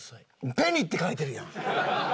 「ペニ」って書いてるやん！